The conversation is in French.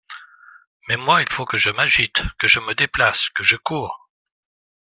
Mais moi, il faut que je m'agite, que je me déplace, que je coure …